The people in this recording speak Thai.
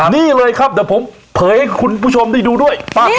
นี่เลยครับเดี๋ยวผมเผยให้คุณผู้ชมได้ดูด้วย